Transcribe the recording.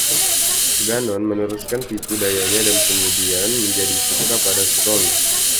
Gannon meneruskan tipu dayanya dan kemudian menjadi suka pada Stone.